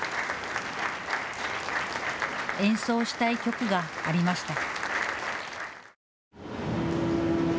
演奏したい曲がありました。